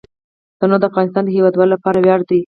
تنوع د افغانستان د هیوادوالو لپاره ویاړ دی.